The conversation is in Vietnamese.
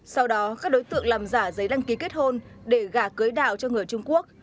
sau đó các đối tượng làm giả giấy đăng ký kết hôn để gả cưới đào cho người trung quốc